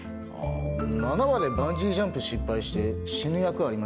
７話でバンジージャンプ失敗して死ぬ役ありましたよね？